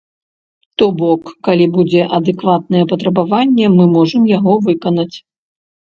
То бок, калі будзе адэкватнае патрабаванне, мы можам яго выканаць.